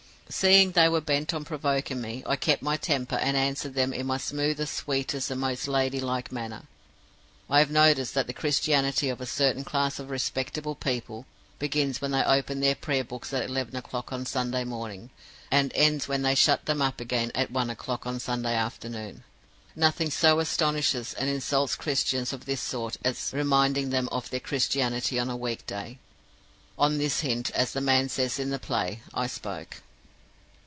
"Seeing they were bent on provoking me, I kept my temper, and answered them in my smoothest, sweetest, and most lady like manner. I have noticed that the Christianity of a certain class of respectable people begins when they open their prayer books at eleven o'clock on Sunday morning, and ends when they shut them up again at one o'clock on Sunday afternoon. Nothing so astonishes and insults Christians of this sort as reminding them of their Christianity on a week day. On this hint, as the man says in the play, I spoke.